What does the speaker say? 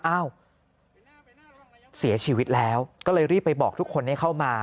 อ้าวเสียชีวิตแล้วก็เลยรีบไปบอกทุกคนให้เข้ามา